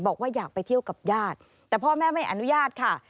บอกว่าอยากไปเที่ยวกับญาติแต่พ่อแม่ไม่อนุญาตค่ะ